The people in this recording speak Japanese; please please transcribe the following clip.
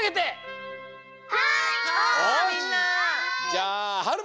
じゃあはる